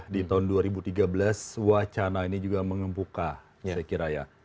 di tahun dua ribu tiga belas wacana ini juga mengempukan saya kira ya